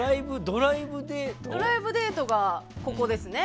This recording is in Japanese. ドライブデートがここですね。